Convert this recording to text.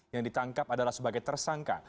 yang ditangkap adalah sebagai tersangka